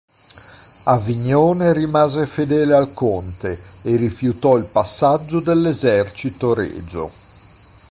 Avignone rimase fedele al conte e rifiutò il passaggio dell'esercito regio.